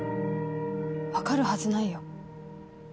分かるはずないよ